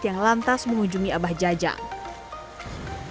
yang lantas mengunjungi abah jajang